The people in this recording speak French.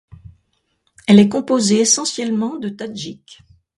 Elle est composée essentiellement de Tadjiks.